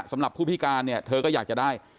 สำหรับผู้พิการเนี่ยเธอก็อยากจะได้